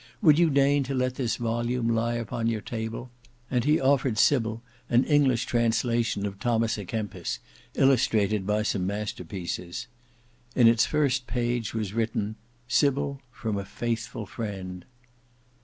Would you deign to let this volume lie upon your table," and he offered Sybil an English translation of Thomas a Kempis, illustrated by some masterpieces. In its first page was written "Sybil, from a faithful friend."